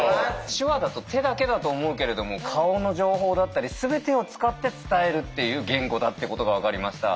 手話だと手だけだと思うけれども顔の情報だったり全てを使って伝えるっていう言語だってことが分かりました。